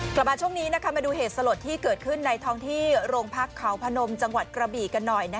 กลับมาช่วงนี้มาดูเหตุสลดที่เกิดขึ้นในท้องที่โรงพักเขาพนมจังหวัดกระบี่กันหน่อย